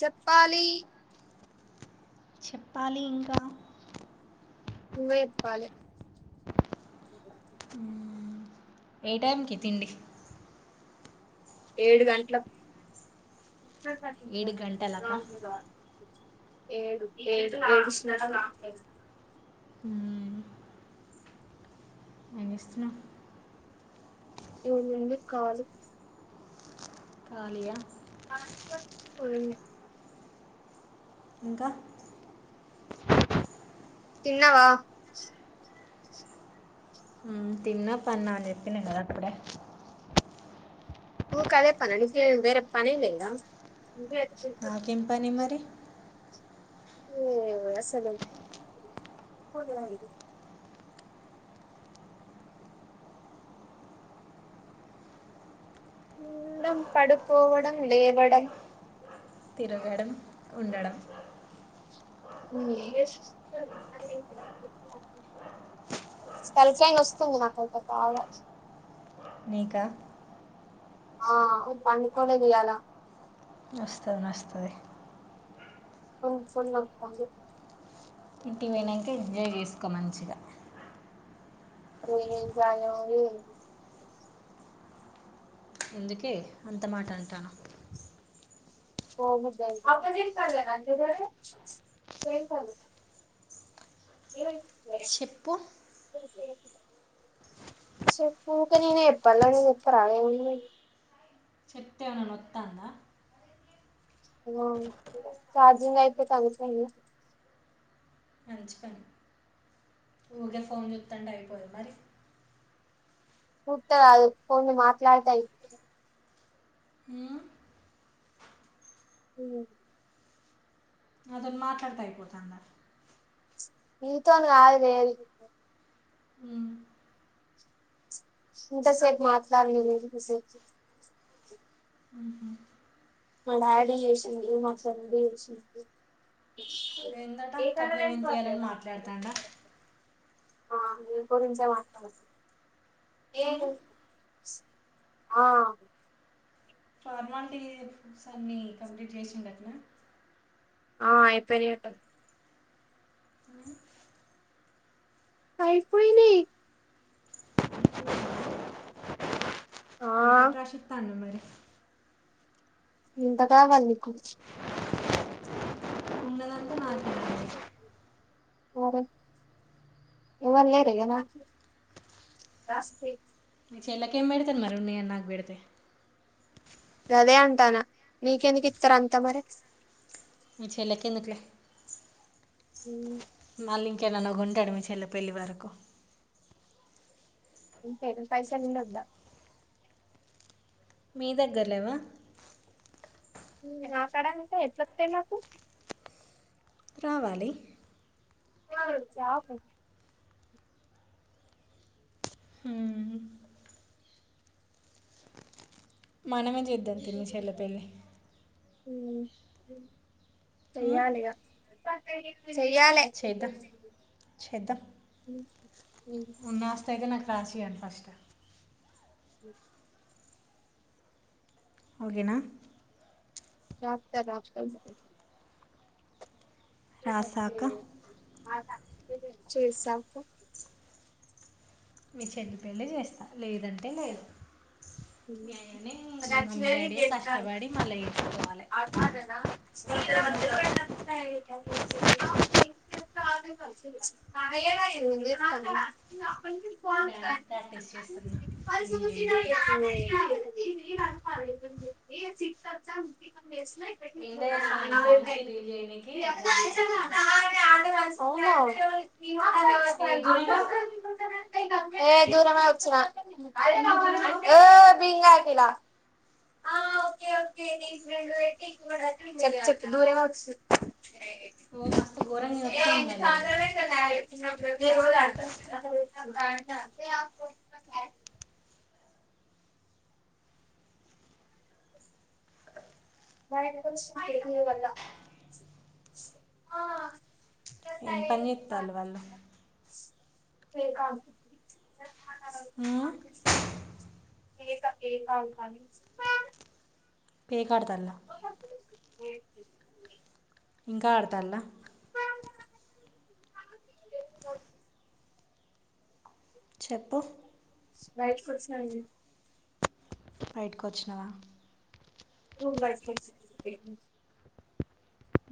చత్ప్పాలి చెప్పాలి ఇంకా నువ్వే చెప్పాలి ఏ టైంకి తిండి ఏడు గంటలక్ ఏడు గంటలక [inaudible] ఆ ఎం చేస్తున్నావ్ ఏముంది కాలి కాలియా [inaudible] ఇంక తిన్నవా ఉమ్ తిన్న పన్న అని చెప్పిన కదా అప్పుడే ఊకె అదే పనా నీక్ వేర పన్లేద నాకేం పని మరి ఉమ్ అసలు తిండం పడుకోవడం లేవడం తిరగడం ఉండడం ఉమ్ జేసిచ్చిన [unintelligible] తలకాయి వస్తుంది నాకైతె బాగ నీక ఆ పండుకోలేదు ఇయాళ వస్తది మస్టేది అ ఫా [inaudible] ఇంటికి పోయినాకే ఎంజాయ్ చేసుకో మంచిగా నేన్ ఇంకా నువ్వు అందుకే అంత మాట అంటాను అవును [unintelligible] కే వైస్ ఛెప్పు ఛెప్పు ఊకనే చెప్పాలా ఊరికే నువ్వు చెప్పవ చెప్తే ఏమైనా వస్తుందా చార్జింగ్ అయిపోతాందె ఫోన్లో మంచి పని ఊకే ఫోన్ చూత్మాందె అయిపోద మరి చూత్తా కాదు ఫోన్లో మాట్లాడతా ఇ మ్ ఇగ నాతోన్ మాట్లాడ్తె అయిపోతుంద నీతోను కాదు లేదు ఇంత సేపు మాట్లాడ [unintelligible] ఉహు మా డాడీ చేసింది మా ఫ్రెండ్ చేసింది ఏందట కట్నం ఎంత ఇయ్యాలని [inaudible] మాట్లాడతాండా ఆ ని గురించె మాట్లాడు ఏ ఉమ్ ఆ ఫార్మాలిటీస్ అన్నిీ కంప్లీట్ చేసిందట్ల ఆ అయిపోయినట [inaudible] అయి పోయినయి. ఆ ఏ పటరాశి త్తాన మరి ఇంత కావాలి నీకు ఉన్నదంత నాతోన్ అరే ఇవర్ లేరిగన మీ చెల్లకేం బెడతారు మరి వున్నవి నాక్ బెడ్తే అదే అంటానా నీకెందుకు ఇతారు అంతా మరి మీ చెల్లేకేందుకు లే ఉ మళ్ళీ ఇంకేనాగుంటాడు చెల్ల పెళ్లి వరకు ఉంటాయి పైసాలుండొద్దా మీ దగ్గరలేవా ఆ కడ అంటే ఎట్లా వతయి మాకు రావాలి ఆ జాబు హ మనమే చేద్దాం తి మీ చెల్ల పెల్లి ఉమ్ ఉమ్ చెయ్యాలే ఇగ చేయ్యాలే చేద్దాం చేద్దాం రాసియను ఫస్ట్ హ ఓకేనా రాత్తడు రాత్తడు రాసాక చేస్త ఆగు ఫో మీ చెల్లి పెళ్లి చేస్తా లేదంటే లేదు మీ ఆయన నే మీ మమ్మీ డాడీయ కష్టపడి మళ్ళా చేసుకోవాలే అ అదేనా [inaudible] ఏమైంది డ్యాన్స్ ప్రాక్టీస్ చేస్తున్నా రీ న ప సిస్ [unintelligible] ఇందయ స్వామి సాంగ్ కి రీల్ చేయడానికి డ్యాన్స్ చేతన అవున ఏ దూరం బా ఏ దూరమే వచ్చిన ఇంత దూరం బా ఓ బింగా అఖిల చెప్పు చెప్పు దూరమే వచ్చంన ఓ మస్త్ గోరంగ్ ఇనతుంది వాళ్ళది ప్రతిరోజు ఆడుతన్లు కదా బయటికి వచ్చిన ఇపుడు నీవల్ల ఏం పని చేతన్లు వాళ్ళు [inaudible] పేక పేక అడుతన్లు పేకట్దలా [inaudible] ఇంకా ఆడతల్లా చెప్పు బయటకొచ్చిన వే బయటకు వచ్చినవా రూమ్ బైటికి వచ్చి ఏం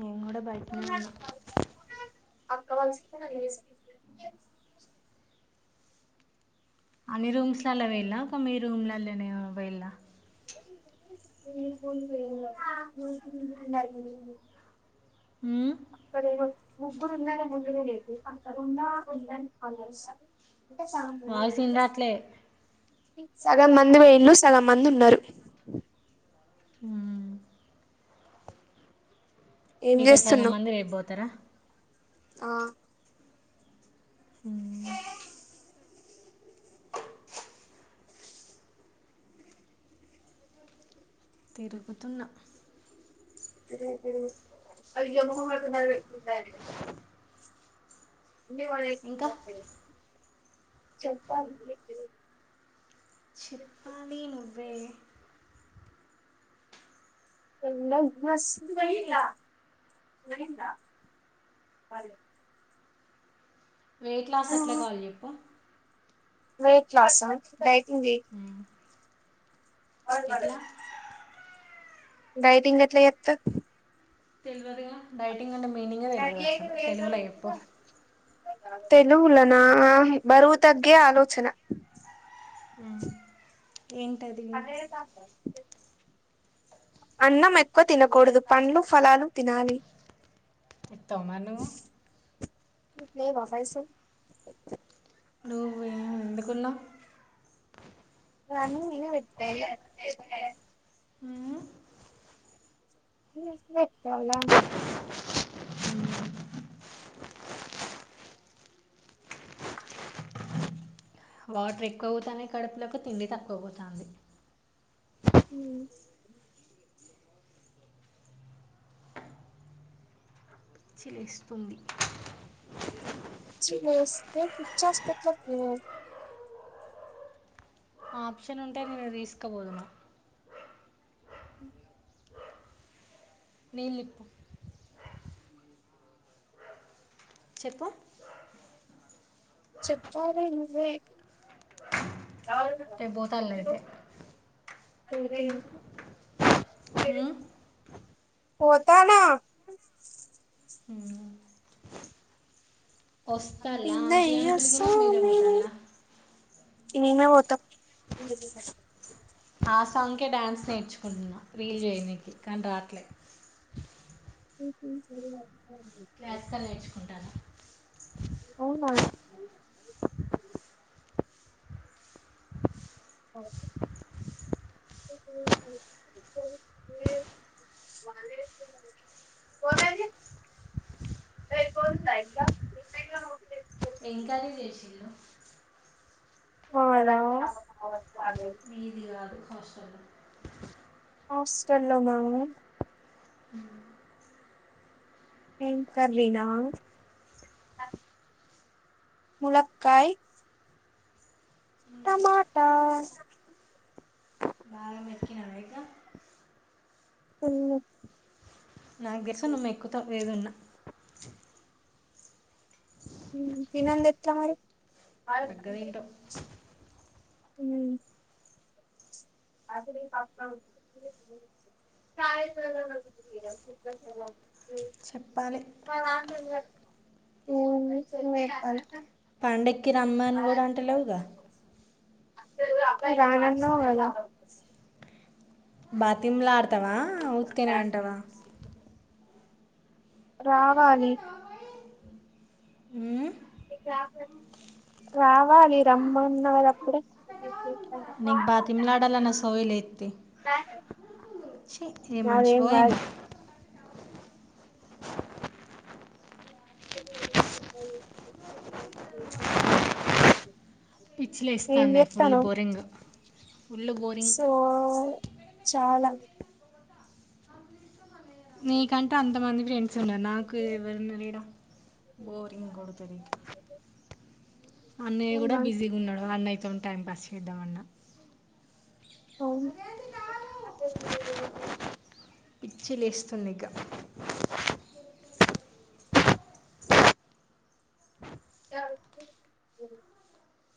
నేను కూడా బయటనే ఉన్నా అక్కవల్సి అన్ని రూమ్స్ల వెేళ్ళా ఒక మీ రూమ్లలోనే వెేళ్ళా [unintelligible] ఆ అక్కడ ముగ్గురు ఉన్నా పక్క రూమ్లు ఉండని మళ్ళ ఆస్తా వాయిస్నరాట్లే సగం మంది వేళ్లు సగం మంది ఉన్నారు ఊ ఏం మిగతా సగం చేస్తున్నావు మంది రేపుపోతారా ఆ ఉమ్ తిరుగుతున్నా అ అయ్య మహమ్మన్నారు ఇంకా చెప్పాలి పిన్ని చిప్పాలి నువ్వే అల్ వైజ్ వైలా నైన్లా అదే వెయిట్ లాస్ ఎట్ల కావాలి చెప్పు? వెయిట్ లాస వెయిట్ ఉమ్ ఎట్లా డైటింగ్ ఎట్ల చేత్త తెలివదుగా డైటింగంటే మీనింగే తెలివదు అసలు తెలుగుల చెప్పు తెలుగుల నా బరువు తగ్గే ఆలోచన. మ్మ్ ఏంటది అ తబ అన్నం ఎక్కువ తినకూడదు, పండ్లు ఫలాలు తినాలి. ఇత్తవమరి నువ్వు నీకు లేవా పైసలు? నువే ఎందుకున్నవ్? అన్ని ననే పెట్టుడా ఇగ ఉమ్ పెట్టాలా ఉమ్ వాటర్ ఎక్కువ అవుతాన్నై కడుపులకు, తిండి తక్కువ పోతాంది. ఉమ్ పిచ్చి లేస్తుంది. పిచ్చి లేస్తే పిచ్చి హాస్పిటల్ కి పో. ఆప్షన్ ఉంటే నిన్ను తీసుకపోదును. నీలిప్పు చెప్పు చెప్పాలి నువ్వే. చాలిక రేపు పోతాళ్ళు తిను అయితే [unintelligible] ఉమ్ పోతానా. ఉమ్ వస్తాల్లా ఆంటీ నిన్నయ్య అంకుల్ గిన, మీరే పోతాల్లా. మేమె పోతమ్. తంకి డాన్స్ నేర్చుకుంటున్నా, రీల్ చేయనీకి కానీ రాట్లే చేయాలి క్లాసికల్ నేర్చుకుంటాను. అవునా పోడానికి రేపు పోయిందా ఇండ్ల ఏం కర్రి చేశిల్లు? అవునా మీది కాదు కష్ హాస్టల్లో ఉన్నాము హ [inaudible] ఏం కర్రి నా ములక్కాయ్ టమాటా బాగా మెక్కినావాఇక ఉ నాకు తెలుసు నువ్వు మెక్కుతవు ఏదయినా తినందెట్లా మరి బగ్గ ఉ తింటావు అస [unintelligible] కాయస చెప్పాలి [unintelligible] [unintelligible] పండక్కిరమ్మని కూడా అంటలేవుగా రానన్నావు గదా బాతిమ్లాడతావా ఉతుకనే అంటావా రావాలి ఊ రావాలి రమ్మన్నా గదా అప్పుడే నీకు బతిమిలాలన్న సోయి లేదు తియ్ చి ఏం మనిషి అదేం ఓ కాదు ఏమో [unintelligible] ఏం పిచ్చిలేస్తాందే ఫుల్ చేత్తన్నావ్ బోరింగ్ ఫుల్ బోరింగ్ సో చాల నీకంటే అంతమంది ఫ్రెండ్ ఉన్న నాకు ఎవరున్నారు ఈడ బోరింగ్ కొడుతుంది అన్నయ్య కూడా అవునా బిజీగా ఉన్నాడు అన్నయతో టైం పాస్ చేద్దాం అన్న అవును పిచ్చి లేస్తుంది ఇక [unintelligible]